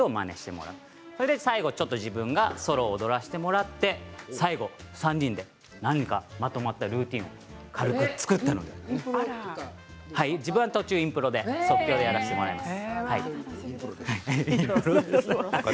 最後、自分がソロを踊らせてもらって３人で何かまとまったルーティンを軽く作ったので自分は途中、インプロで即興でやらせていただきます。